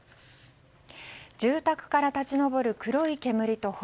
住宅から立ち上る黒い煙と炎。